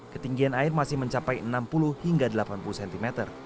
ketinggian air masih mencapai enam puluh hingga delapan puluh cm